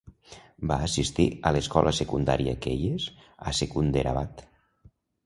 Va assistir a l'escola secundària Keyes a Secunderabad.